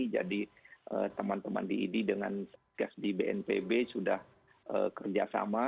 jadi teman teman di idi dengan gas di bnpb sudah kerjasama